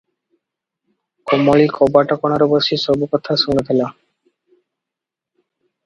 କମଳୀ କବାଟ କଣରେ ବସି ସବୁ କଥା ଶୁଣୁଥିଲା ।